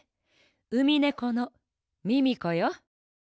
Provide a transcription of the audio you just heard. ウミネコのミミコよ！